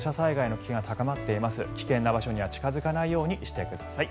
危険な場所には近付かないようにしてください。